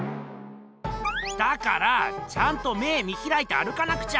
だからあちゃんと目見ひらいて歩かなくちゃ！